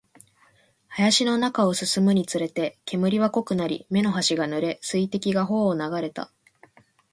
林の中を進むにつれて、煙は濃くなり、目の端が濡れ、水滴が頬を流れた